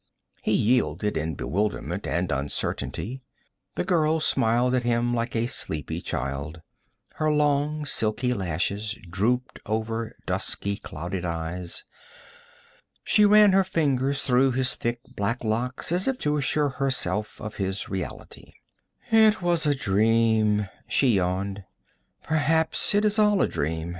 He yielded in bewilderment and uncertainty. The girl smiled at him like a sleepy child; her long silky lashes drooped over dusky, clouded eyes. She ran her fingers through his thick black locks as if to assure herself of his reality. 'It was a dream,' she yawned. 'Perhaps it's all a dream.